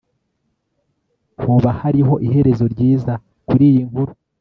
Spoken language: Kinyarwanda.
hoba hariho iherezo ryiza kuriyi nkuru